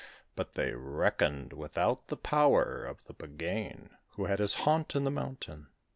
But they reckoned without the power of the Buggane, who had his haunt in the mountain.